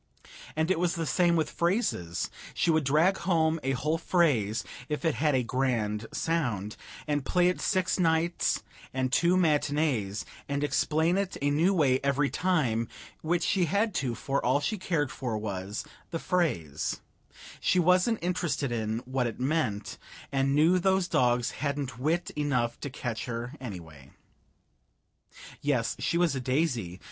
And it was the same with phrases. She would drag home a whole phrase, if it had a grand sound, and play it six nights and two matinees, and explain it a new way every time which she had to, for all she cared for was the phrase; she wasn't interested in what it meant, and knew those dogs hadn't wit enough to catch her, anyway. Yes, she was a daisy!